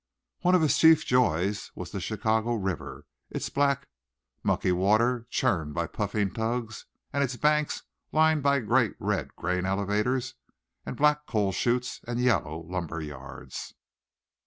One of his chief joys was the Chicago river, its black, mucky water churned by puffing tugs and its banks lined by great red grain elevators and black coal chutes and yellow lumber yards.